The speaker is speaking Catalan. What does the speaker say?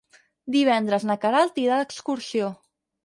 Divendres na Queralt irà d'excursió.